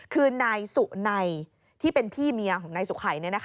คือนายสุนัยที่เป็นพี่เมียของนายสุขัย